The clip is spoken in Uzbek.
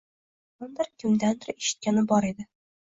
Qachondir, kimdandir eshitgani bor edi